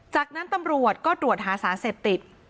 จากนั้นตำรวจก็ตรวจหาสารเสพติด